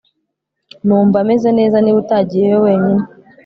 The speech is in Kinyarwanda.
Numva meze neza niba utagiyeyo wenyine